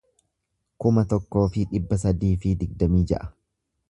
kuma tokkoo fi dhibba sadii fi digdamii ja'a